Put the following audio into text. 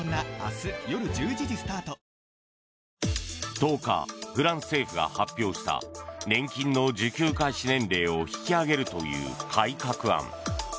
１０日フランス政府が発表した年金の受給開始年齢を引き上げるという改革案。